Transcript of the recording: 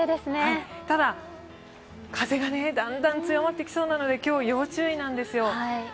ただ、風がだんだん強まってきそうなので今日、要注意なんですよ。